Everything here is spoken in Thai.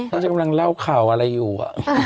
แล้วจะกำลังเล่าข่าวอะไรอยู่